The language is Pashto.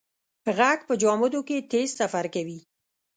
غږ په جامدو کې تېز سفر کوي.